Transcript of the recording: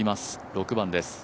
６番です。